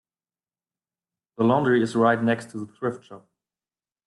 The laundry is right next to the thrift shop.